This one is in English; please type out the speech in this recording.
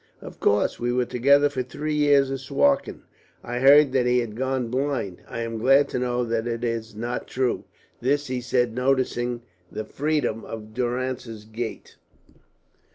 "Of course. We were together for three years at Suakin. I heard that he had gone blind. I am glad to know that it is not true." This he said, noticing the freedom of Durrance's gait.